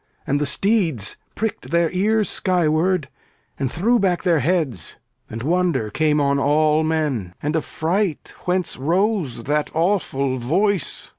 And the steeds Pricked their ears skyward, and threw back their heads. And wonder came on all men, and affright, Whence rose that awful voice.